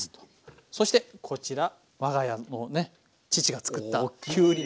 そしてこちら我が家のね父が作ったきゅうり。